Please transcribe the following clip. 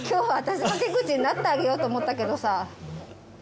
はけ口になってあげようと思ったけどさ。